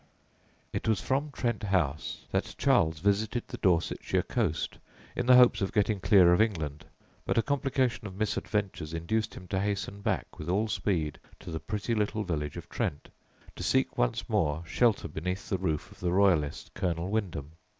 It was from Trent House that Charles visited the Dorsetshire coast in the hopes of getting clear of England; but a complication of misadventures induced him to hasten back with all speed to the pretty little village of Trent, to seek once, more shelter beneath the roof of the Royalist Colonel Wyndham.